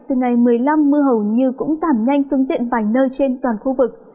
từ ngày một mươi năm mưa hầu như cũng giảm nhanh xuống diện vài nơi trên toàn khu vực